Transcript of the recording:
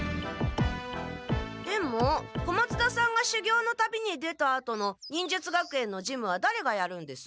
でも小松田さんがしゅぎょうの旅に出たあとの忍術学園の事務はだれがやるんです？